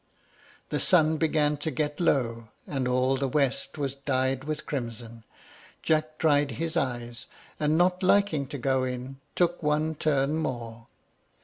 The sun began to get low, and all the west was dyed with crimson. Jack dried his eyes, and, not liking to go in, took one turn more.